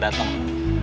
lagi serah ya